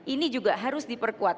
ini juga harus diperkuat